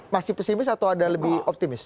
masih pesimis atau ada lebih optimis